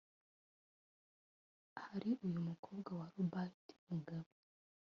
hari uyu mukobwa wa Robert Mugabe